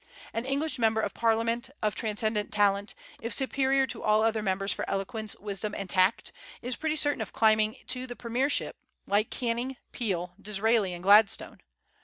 An English member of Parliament, of transcendent talent, if superior to all other members for eloquence, wisdom, and tact, is pretty certain of climbing to the premiership, like Canning, Peel, Disraeli, and Gladstone.